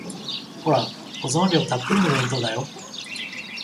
ほら、保存料たっぷりの弁当だよ。